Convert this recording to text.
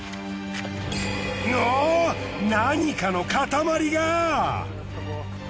なっ何かの塊が！？